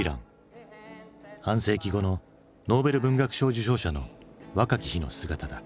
半世紀後のノーベル文学賞受賞者の若き日の姿だ。